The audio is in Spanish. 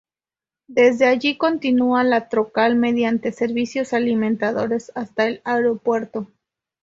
Desde allí continua la troncal mediante servicios alimentadores hasta el aeropuerto.